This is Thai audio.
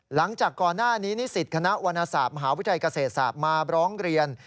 หลังจากก่อนหน้านี้นิสิตคณะวรรณศาสตร์มหาวิทยาลัยเกษตรศาสตร์มาร้องเรียน